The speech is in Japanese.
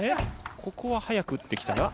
ここは速く打ってきたが。